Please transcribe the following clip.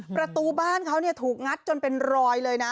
ประตูบ้านเขาถูกงัดจนเป็นรอยเลยนะ